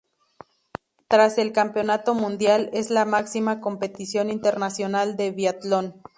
Tras el Campeonato Mundial, es la máxima competición internacional de biatlón.